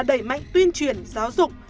đẩy mạnh tuyên truyền giáo dục